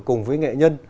cùng với nghệ nhân